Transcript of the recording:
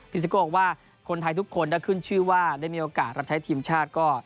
ซิโก้บอกว่าคนไทยทุกคนถ้าขึ้นชื่อว่าได้มีโอกาสรับใช้ทีมชาติก็